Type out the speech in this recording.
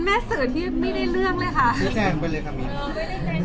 ไม่แกล้งไปเลยค่ะมิน